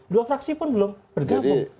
dua fraksi pun belum bergabung